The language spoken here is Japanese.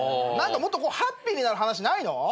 何かもっとハッピーになる話ないの？